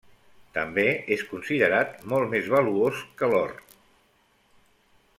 També és considerat molt més valuós que l'or.